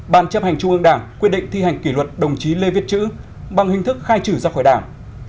ban chấp hành trung ương đảng quy định thi hành kỷ luật đồng chí lê viết chữ bằng hình thức khai trừ ra khỏi đảng